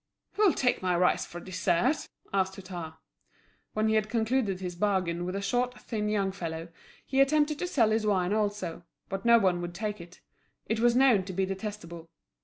"Who'll take my rice for a dessert?" asked Hutin. When he had concluded his bargain with a short, thin young fellow, he attempted to sell his wine also; but no one would take it, it was known to be detestable.